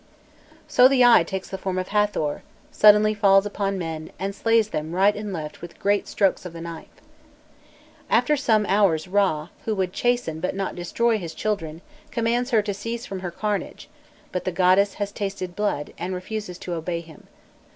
So the Eye takes the form of Hâthor, suddenly falls upon men, and slays them right and left with great strokes of the knife. After some hours, Râ, who would chasten but not destroy his children, commands her to cease from her carnage; but the goddess has tasted blood, and refuses to obey him.